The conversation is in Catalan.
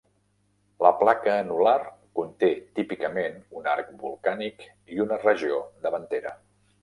La placa anular conté típicament un arc volcànic i una regió davantera.